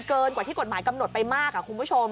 เกินกว่าที่กฎหมายกำหนดไปมากคุณผู้ชม